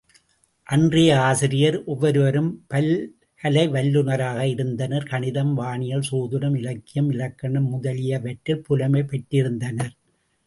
அன்றைய ஆசிரியர் ஒவ்வொருவரும் பல்கலை வல்லுநராக இருந்தனர் கணிதம், வானியல், சோதிடம், இலக்கியம், இலக்கணம், முதலியவற்றில் புலமை பெற்றிருந்தனர்.